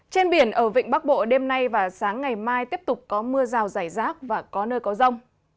trên biển ở vịnh bắc bộ đêm nay và sáng ngày mai tiếp tục có mưa rào rải rác và có nơi có rông